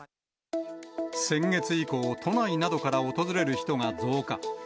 先月以降、都内などから訪れる人が増加。